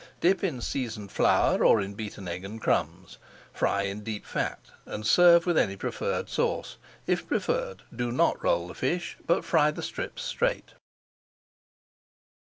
Dip in seasoned flour or in beaten egg and crumbs, fry in deep fat, and serve with any preferred sauce. If preferred do not roll the fish, but fry the strips straight.